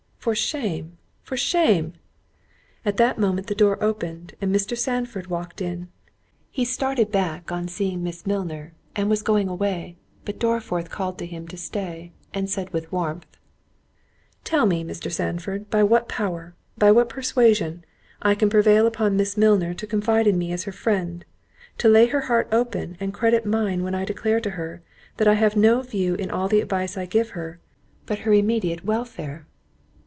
—for shame, for shame!" At that moment the door opened, and Mr. Sandford walked in—he started back on seeing Miss Milner, and was going away; but Dorriforth called to him to stay, and said with warmth, "Tell me, Mr. Sandford, by what power, by what persuasion, I can prevail upon Miss Milner to confide in me as her friend; to lay her heart open, and credit mine when I declare to her, that I have no view in all the advice I give to her, but her immediate welfare."